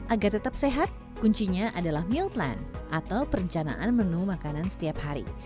agar tetap sehat kuncinya adalah meal plan atau perencanaan menu makanan setiap hari